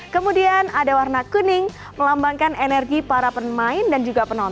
terakhir adalah warna ungu pada tulisan you dua puluh world cup indonesia thunder juan hitri yang